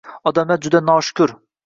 Odamlar juda noshukur